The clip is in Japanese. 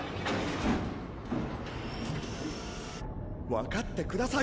分かってください